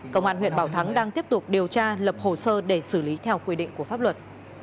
công an huyện bảo thắng đang tiếp tục điều tra lập hồ sơ để xử lý theo quy định của pháp luật